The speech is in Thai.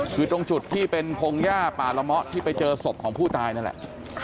คือตรงจุดที่เป็นพงหญ้าป่าละเมาะที่ไปเจอศพของผู้ตายนั่นแหละ